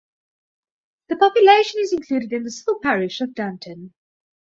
The population is included in the civil parish of Dunton.